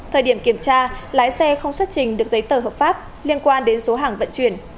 thời điểm kiểm tra lái xe không xuất trình được giấy tờ hợp pháp liên quan đến số hàng vận chuyển